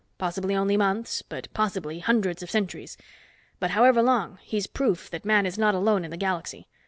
Possibly only months, but possibly hundreds of centuries. But however long he's proof that man is not alone in the galaxy.